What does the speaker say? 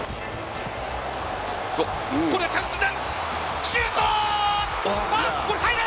これはチャンスになる。